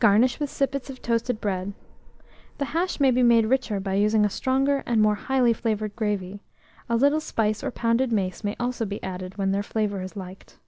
Garnish with sippets of toasted bread. The hash may be made richer by using a stronger and more highly flavoured gravy; a little spice or pounded mace may also be added, when their flavour is liked.